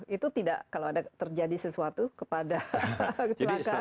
itu tidak kalau ada terjadi sesuatu kepada kecelakaan